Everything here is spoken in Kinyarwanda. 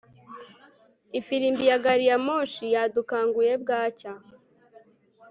ifirimbi ya gari ya moshi yadukanguye bwacya